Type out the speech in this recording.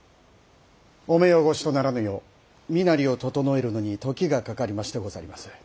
お目汚しとならぬよう身なりを整えるのに時がかかりましてござります。